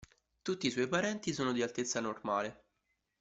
Tutti i suoi parenti sono di altezza normale.